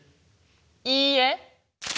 いいえ。